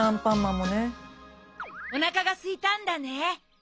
おなかがすいたんだね。